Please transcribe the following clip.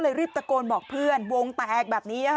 รีบตะโกนบอกเพื่อนวงแตกแบบนี้